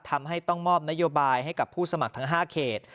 ทำให้ต้องมอบนโยบายให้กับผู้สมัครทั้ง๕เขต